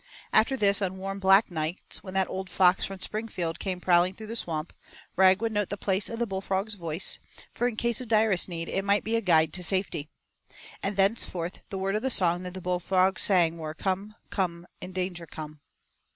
After this on warm black nights when that old fox from Springfield came prowling through the Swamp, Rag would note the place of the bullfrog's voice, for in case of direst need it might be a guide to safety. And thenceforth the words of the song that the bullfrog sang were 'Come, come, in danger come.'